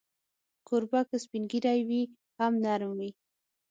کوربه که سپین ږیری وي، هم نرم وي.